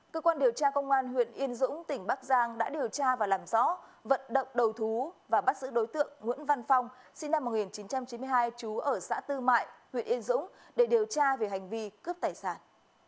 cơ quan điều tra công an huyện yên dũng tỉnh bắc giang đã điều tra và làm rõ vận động đầu thú và bắt giữ đối tượng nguyễn văn phong sinh năm một nghìn chín trăm chín mươi hai trú ở xã tư mại huyện yên dũng để điều tra về hành vi cướp tài sản